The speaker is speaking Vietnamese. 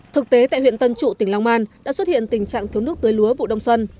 thực tế tại huyện tân trụ tỉnh long an đã xuất hiện tình trạng thiếu nước tưới lúa vụ đông xuân